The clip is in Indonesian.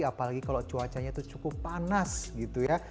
apalagi kalau cuacanya itu cukup panas gitu ya